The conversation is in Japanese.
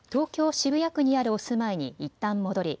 渋谷区にあるお住まいにいったん戻り